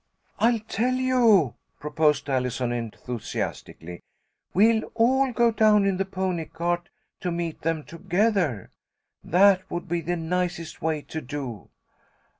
"I'll tell you," proposed Allison, enthusiastically, "We'll all go down in the pony cart to meet them together. That would be the nicest way to do."